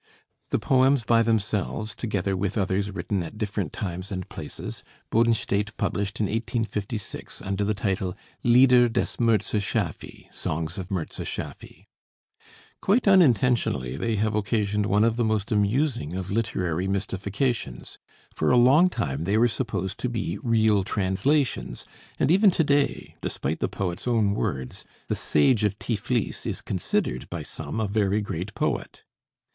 The poems by themselves, together with others written at different times and places, Bodenstedt published in 1856 under the title 'Lieder des Mirza Schaffy' (Songs of Mirza Schaffy). Quite unintentionally they have occasioned one of the most amusing of literary mystifications. For a long time they were supposed to be real translations; and even to day, despite the poet's own words, the "Sage of Tiflis" is considered by some a very great poet.